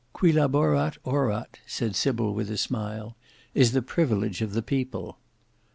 "Qui laborat, orat," said Sybil with a smile, "is the privilege of the people."